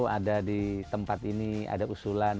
ada di tempat ini ada usulan